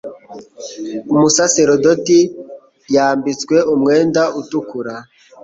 Umusaserdoti yambwiswe umwenda utukura